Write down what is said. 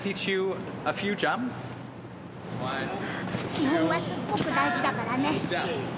基本はすっごく大事だからね。